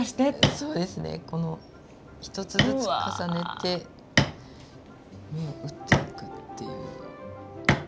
そうですね一つずつ重ねて打っていくっていう。